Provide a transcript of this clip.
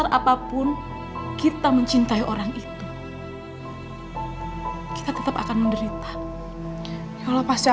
tauffer jullie kan dalang fair